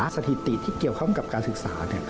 สถิติที่เกี่ยวข้องกับการศึกษา